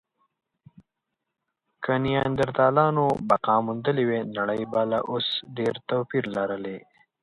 که نیاندرتالانو بقا موندلې وی، نړۍ به له اوس ډېر توپیر لرلی.